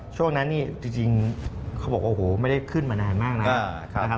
ช่วงนั้นจริงไม่ได้ขึ้นมานานมากนะครับ